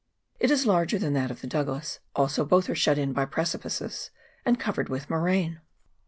It is larger than that of the Douglas, also both are shut in by precipices, and covered with moraine.